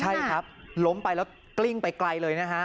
ใช่ครับล้มไปแล้วกลิ้งไปไกลเลยนะฮะ